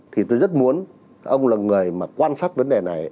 thì tôi rất muốn ông là người mà quan sát vấn đề này